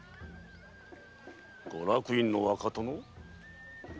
ご落胤の若殿？